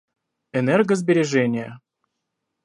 Энергосбережение